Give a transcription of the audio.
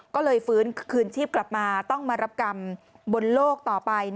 ก็เลยฟื้นคืนชีพกลับมาต้องมารับกรรมบนโลกต่อไป